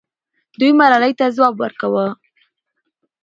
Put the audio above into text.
دوی ملالۍ ته ځواب ورکاوه.